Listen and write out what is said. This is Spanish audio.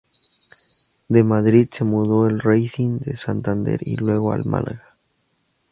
De Madrid, se mudó al Racing de Santander y luego al Málaga.